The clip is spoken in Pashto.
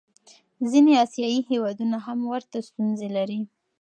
ځینې آسیایي هېوادونه هم ورته ستونزې لري.